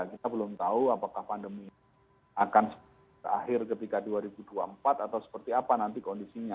kita belum tahu apakah pandemi akan berakhir ketika dua ribu dua puluh empat atau seperti apa nanti kondisinya